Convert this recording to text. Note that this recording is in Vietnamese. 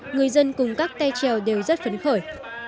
người dân cùng các tay trèo đều rất phấn khởi